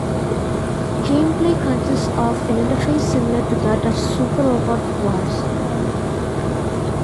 Gameplay consists of an interface similar to that of "Super Robot Wars".